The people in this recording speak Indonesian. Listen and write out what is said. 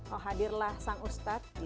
oh hadirlah sang ustadz